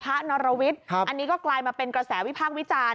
นรวิทย์อันนี้ก็กลายมาเป็นกระแสวิพากษ์วิจารณ์